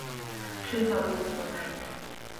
Two models were made.